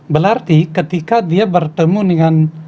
berarti ketika dia bertemu dengan